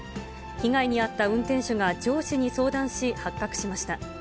被害に遭った運転手が上司に相談し、発覚しました。